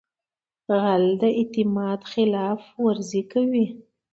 غل د اعتماد خلاف ورزي کوي